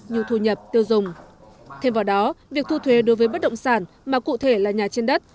như thu nhập tiêu dùng thêm vào đó việc thu thuế đối với bất động sản mà cụ thể là nhà trên đất